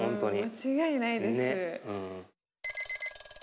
間違いないです。